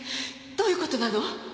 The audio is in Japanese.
どういうことなの？